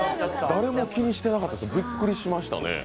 誰も気にしてなかったビックリしましたね。